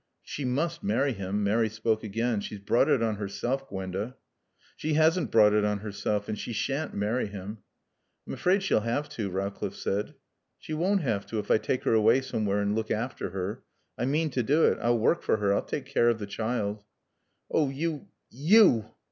"She must marry him." Mary spoke again. "She's brought it on herself, Gwenda." "She hasn't brought it on herself. And she shan't marry him." "I'm afraid she'll have to," Rowcliffe said. "She won't have to if I take her away somewhere and look after her. I mean to do it. I'll work for her. I'll take care of the child." "Oh, you _you